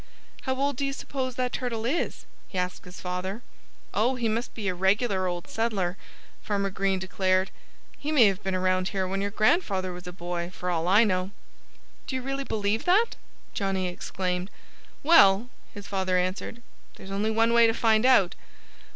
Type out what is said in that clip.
"How old do you suppose that turtle is?" he asked his father. "Oh, he must be a regular old settler," Farmer Green declared. "He may have been around here when your grandfather was a boy, for all I know." "Do you really believe that?" Johnnie exclaimed. "Well," his father answered, "there's only one way to find out."